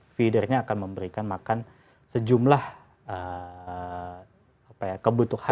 feedernya akan memberikan makan sejumlah kebutuhan